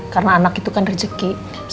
karena anak itu kan rejekinya